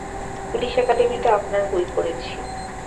Police একাডেমীতে আপনার বই পড়েছি।